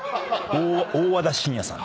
大和田伸也さん？